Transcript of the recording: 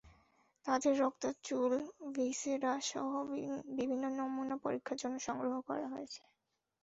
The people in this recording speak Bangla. তাদের রক্ত, চুল, ভিসেরাসহ বিভিন্ন নমুনা পরীক্ষার জন্য সংগ্রহ করা হয়েছে।